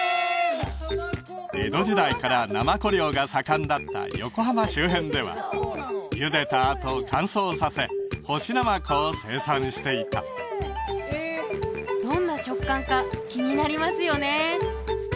江戸時代からナマコ漁が盛んだった横浜周辺ではゆでたあと乾燥させ干しナマコを生産していたどんな食感か気になりますよね